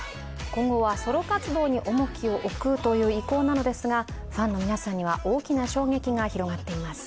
今後はソロ活動に重きを置くという意向なのですがファンの皆さんには大きな衝撃が広がっています。